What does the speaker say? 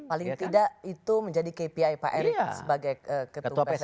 paling tidak itu menjadi kpi pak erick sebagai ketum pssi